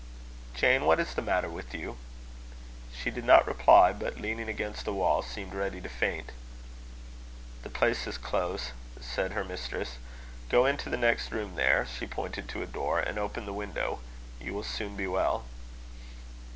"Jane, what is the matter with you?" She did not reply, but, leaning against the wall, seemed ready to faint. "The place is close," said her mistress. "Go into the next room there," she pointed to a door "and open the window. You will soon be well."